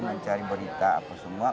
mencari berita apa semua